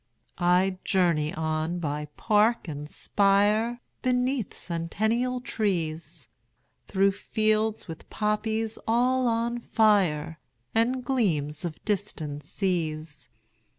20 I journey on by park and spire, Beneath centennial trees, Through fields with poppies all on fire, And gleams of distant seas.